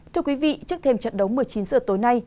thưa quý vị trước thêm trận đấu một mươi chín h tối nay